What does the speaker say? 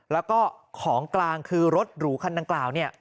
แล้วก็ของกลางคือรถหรูคันดังกล่าวเนี่ย